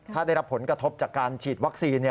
ถ้าได้รับผลกระทบจากการฉีดวัคซีน